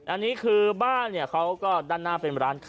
อันนี้คือบ้านที่ด้านหน้าเป็นร้านขา